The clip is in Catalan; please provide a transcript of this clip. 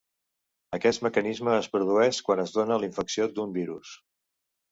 Aquest mecanisme es produeix quan es dóna la infecció d'un virus.